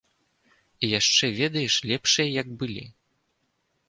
І яшчэ, ведаеш, лепшыя як былі.